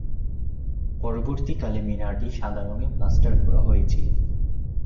পরবর্তীকালে, মিনারটি সাদা রঙে প্লাস্টার করা হয়েছিল।